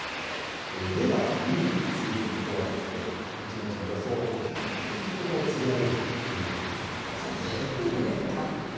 腕がいい釣り人は、１日におよそ５００匹ほどを釣り上げるということなんですね。